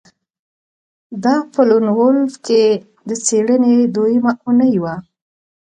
دا په لون وولف کې د څیړنې دویمه اونۍ وه